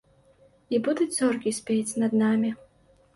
І будуць зоркі спець над намі.